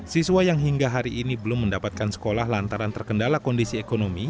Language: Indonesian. siswa yang hingga hari ini belum mendapatkan sekolah lantaran terkendala kondisi ekonomi